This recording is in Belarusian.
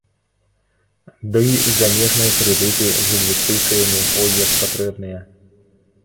Дый замежныя крэдыты з інвестыцыямі ой як патрэбныя.